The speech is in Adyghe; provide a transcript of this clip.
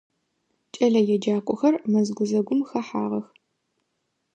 КӀэлэеджакӀохэр мэз гузэгум хэхьагъэх.